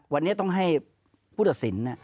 วันนี้ต้องให้ผู้ตัดสิน